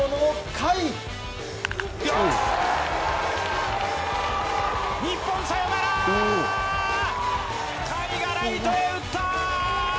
甲斐がライトへ打った！